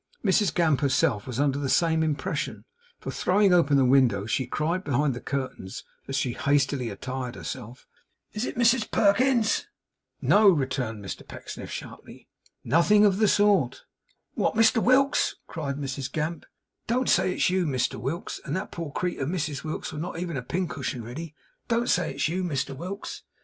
Mrs Gamp herself was under the same impression, for, throwing open the window, she cried behind the curtains, as she hastily attired herself 'Is it Mrs Perkins?' 'No!' returned Mr Pecksniff, sharply. 'Nothing of the sort.' 'What, Mr Whilks!' cried Mrs Gamp. 'Don't say it's you, Mr Whilks, and that poor creetur Mrs Whilks with not even a pincushion ready. Don't say it's you, Mr Whilks!